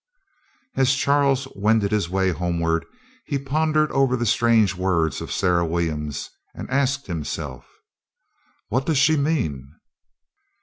As Charles wended his way homeward, he pondered over the strange words of Sarah Williams, and asked himself: "What does she mean?"